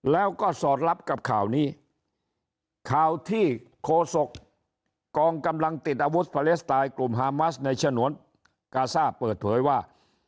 แล้วก็สอดรับกับข่าวนี้ข่าวที่โคศกกองกำลังติดอาวุธพาเลสไตน์กลุ่มฮามัสในฉนวนกาซ่าเปิดเผยว่า